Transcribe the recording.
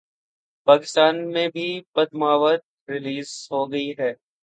پاکستان میں بھی پدماوت ریلیز